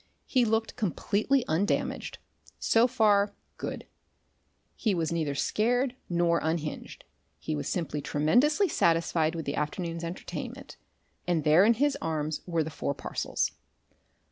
He looked completely undamaged so far, good; he was neither scared nor unhinged, he was simply tremendously satisfied with the afternoon's entertainment, and there in his arms were the four parcels.